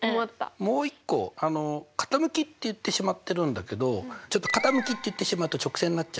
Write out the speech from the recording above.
もう一個傾きって言ってしまってるんだけどちょっと傾きって言ってしまうと直線になっちゃうから。